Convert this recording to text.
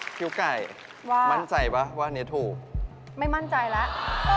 คิ้วไก่ว่ามั่นใจป่ะว่าอันนี้ถูกไม่มั่นใจแล้ว